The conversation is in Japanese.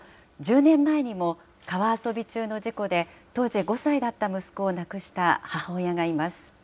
１０年前にも、川遊び中の事故で当時５歳だった息子を亡くした母親がいます。